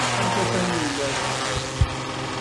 Anta tanila i teṭṭfeḍ?